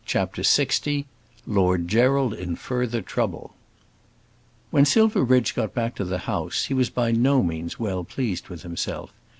CHAPTER LX Lord Gerald in Further Trouble When Silverbridge got back to the house he was by no means well pleased with himself.